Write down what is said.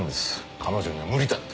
彼女には無理だって